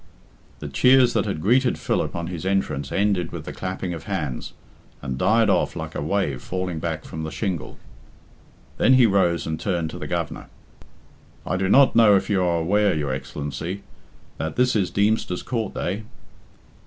The cheers that had greeted Philip on his entrance ended with the clapping of hands, and died off like a wave falling back from the shingle. Then he rose and turned to the Governor. "I do not know if you are aware, your Excellency, that this is Deemster's Court day?"